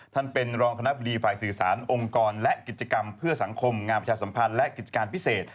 ท่านเป็นรองคณะบดีฝ่ายสื่อสารองค์กรและกิจกรรมเพื่อสังคมงามประชาสัมพันธ์และกิจการพิเศษ